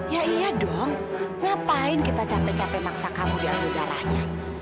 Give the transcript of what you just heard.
ya iya dong ngapain kita capek capek maksa kamu di ambil darahnya